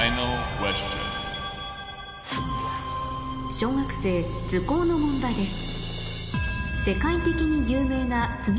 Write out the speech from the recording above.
小学生図工の問題です